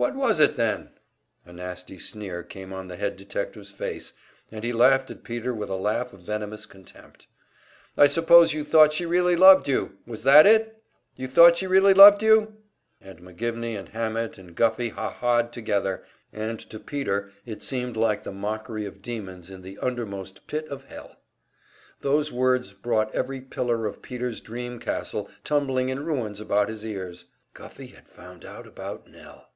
"What was it then?" A nasty sneer came on the head detective's face, and he laughed at Peter with a laugh of venomous contempt. "I suppose you thought she really loved you! Was it that? You thought she really loved you?" And McGivney and Hammett and Guffey ha ha ed together, and to Peter it seemed like the mockery of demons in the undermost pit of hell. Those words brought every pillar of Peter's dream castle tumbling in ruins about his ears. Guffey had found out about Nell!